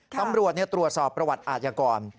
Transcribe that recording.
ตำรวจตรวจสอบประวัติอาชญากร